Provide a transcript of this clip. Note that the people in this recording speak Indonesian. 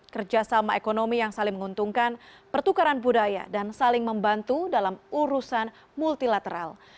kerjasama ekonomi yang saling menguntungkan pertukaran budaya dan saling membantu dalam urusan multilateral